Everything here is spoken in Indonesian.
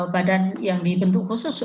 badan yang dibentuk khusus